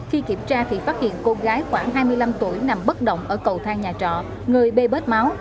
khi kiểm tra thì phát hiện cô gái khoảng hai mươi năm tuổi nằm bất động ở cầu thang nhà trọ người bê bớt máu